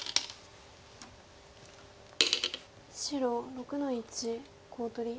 白６の一コウ取り。